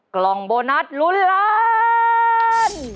กล่องโบนัสลุ้นล้าน